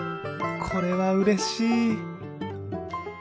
これはうれしい！